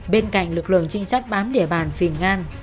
bên cạnh lực lượng trinh sát bán địa bàn phiền ngang